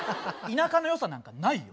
田舎の良さなんかないよ。